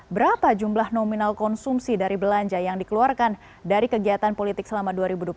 berapa jumlah nominal konsumsi dari belanja yang dikeluarkan dari kegiatan politik selama dua ribu dua puluh empat